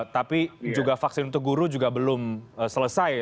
tapi juga vaksin untuk guru juga belum selesai